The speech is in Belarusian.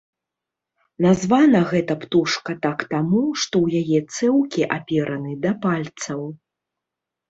Названа гэта птушка так таму, што ў яе цэўкі апераны да пальцаў.